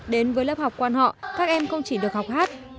đến với lớp học quan họ các em không chỉ được học hát